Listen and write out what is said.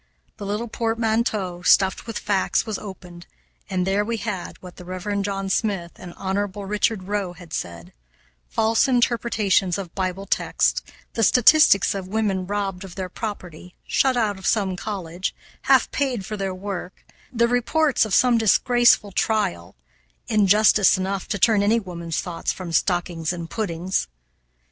The little portmanteau, stuffed with facts, was opened, and there we had what the Rev. John Smith and Hon. Richard Roe had said: false interpretations of Bible texts, the statistics of women robbed of their property, shut out of some college, half paid for their work, the reports of some disgraceful trial; injustice enough to turn any woman's thoughts from stockings and puddings.